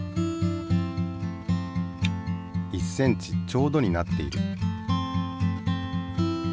１ｃｍちょうどになっている。